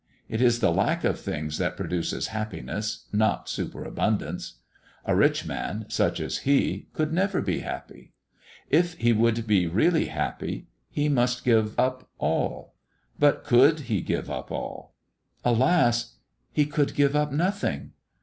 It is the lack of things that produces happiness, not superabundance. A rich man, such as he, could never be happy. If he would be really happy, he must give up all. But could he give up all? Alas! he could give up nothing.